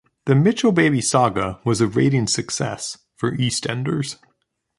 The Mitchell baby saga was a ratings success for "EastEnders".